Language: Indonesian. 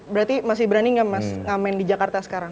berarti masih berani nggak mas ngamen di jakarta sekarang